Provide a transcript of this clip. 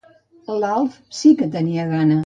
L'Alf sí que tenia gana.